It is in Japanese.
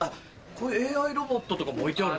ＡＩロボットとかも置いてある。